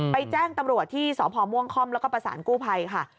ไปแจ้งตำรวจที่สพมคและก็ประสานกู้ไพรค่ะ